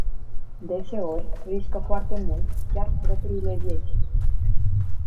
Deseori, riscă foarte mult, chiar propriile vieți.